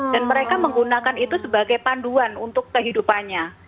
dan mereka menggunakan itu sebagai panduan untuk kehidupannya